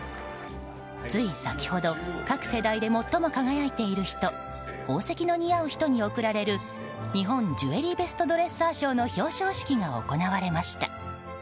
つい先ほど各世代で最も輝いている人宝石の似合う人に贈られる日本ジュエリーベストドレッサー賞の表彰式が行われました。